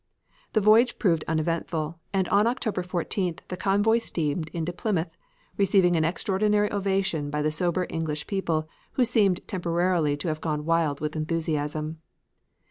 The voyage proved uneventful, and on October 14th, the convoy steamed into Plymouth, receiving an extraordinary ovation by the sober English people, who seemed temporarily to have gone wild with enthusiasm.